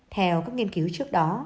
theo các nghiên cứu trước đó